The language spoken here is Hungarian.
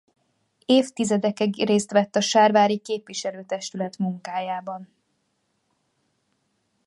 Évtizedekig részt vett a sárvári képviselő-testület munkájában.